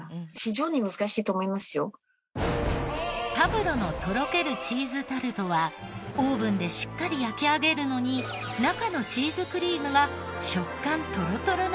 パブロのとろけるチーズタルトはオーブンでしっかり焼き上げるのに中のチーズクリームが食感トロトロの仕上がり。